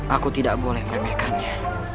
aku tidak boleh meremehkannya